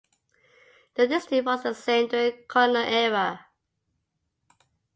The district was the same during the colonial era.